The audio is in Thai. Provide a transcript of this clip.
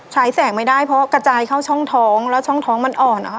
ใช้แสงไม่ได้เพราะกระจายเข้าช่องท้องแล้วช่องท้องมันอ่อนนะคะ